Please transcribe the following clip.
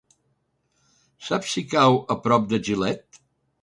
Saps si cau a prop de Gilet?